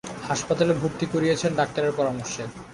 হাসপাতালে ভর্তি করিয়েছেন ডাক্তারের পরামর্শে।